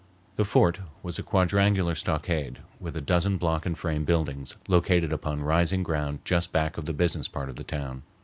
The fort was a quadrangular stockade with a dozen block and frame buildings located upon rising ground just back of the business part of the town.